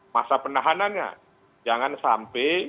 masa penahanannya jangan sampai